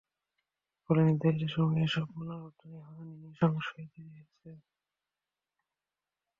ফলে নির্ধারিত সময়ে এসব পণ্য রপ্তানি হওয়া নিয়ে সংশয় তৈরি হয়েছে।